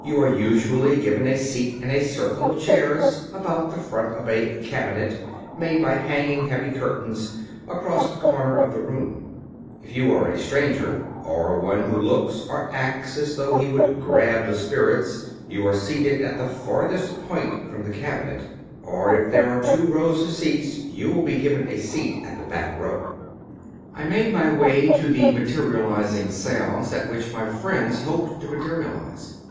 You are usually given a seat in a circle of chairs about the front of a "cabinet" made by hanging heavy curtains across the corner of the room. If you are a stranger or one who looks or acts as though he would " grab *' the " spirits," you are seated at the farthest point from the cabinet ; or, if there are two rows of seats, you will be given a seat in the back row. ..• 290 How Spifits Maieriatize I made my way to the " materializing seance/* at which my friends hoped to materialize.